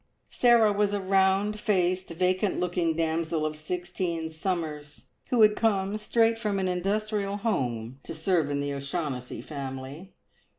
Sarah was a round faced, vacant looking damsel of sixteen summers, who had come straight from an industrial home to serve in the O'Shaughnessy family.